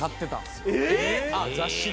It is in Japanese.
あっ雑誌で。